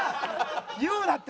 言うなって。